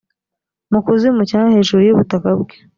mu kuzimu cyangwa hejuru y ubutaka bwe